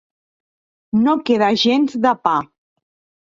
No queda gens de pa.